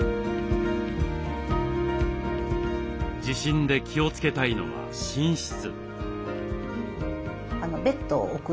地震で気をつけたいのは寝室。